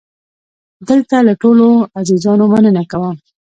دلته له ټولو عزیزانو مننه کوم.